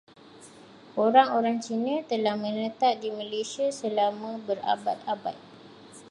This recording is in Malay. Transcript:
Orang-orang Cina telah menetap di Malaysia selama berabad-abad.